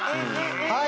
はい。